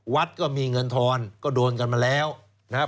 วัดก็มีเงินทอนก็โดนกันมาแล้วนะครับ